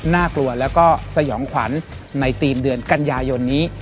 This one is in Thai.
น่ากลัวแล้วก็สยองขวัญในธีมเดือนกันยายนนี้